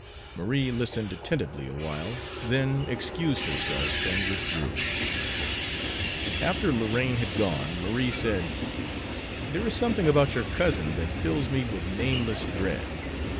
Marie listened attentively awhile, then excused herself and withdrew. After Lorraine had gone Marie said: "There is something about your cousin that fills me with nameless dread.